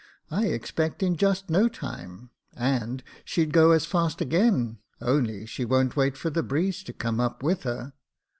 I expect in just no time; and she'd go as fast again, only she won't wait for the breeze to come up with her."